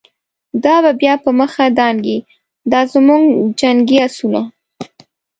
دا به بیا په مخه دانګی، دازموږ جنګی آسونه